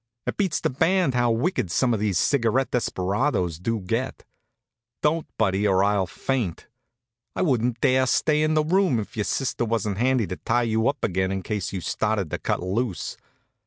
It beats the band how wicked some of these cigarette desperados do get. Don't, Buddy, or I'll faint. I wouldn't dare stay in the room if your sister wa'n't handy to tie you up again in case you started to cut loose."